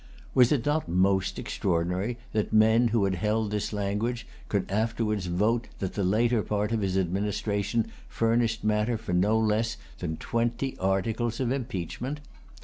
Was it not most extraordinary that men who had held this language could afterwards vote that the later part of his administration furnished matter for no less than twenty articles of impeachment?